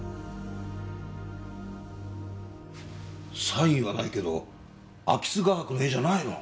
サインはないけど安芸津画伯の絵じゃないの？